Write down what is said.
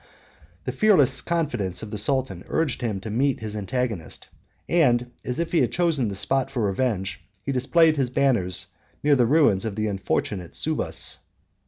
The fearless confidence of the sultan urged him to meet his antagonist; and, as if he had chosen that spot for revenge, he displayed his banner near the ruins of the unfortunate Suvas.